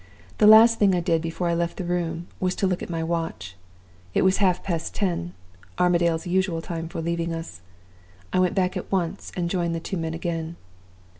The last thing I did before I left the room was to look at my watch. It was half past ten, Armadale's usual time for leaving us. I went back at once and joined the two men again.